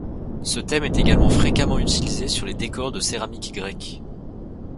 Ce thème est également fréquemment illustré sur les décors de céramique grecque.